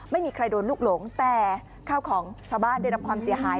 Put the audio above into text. ไม่มีใครโดนลูกหลงแต่ข้าวของชาวบ้านได้รับความเสียหาย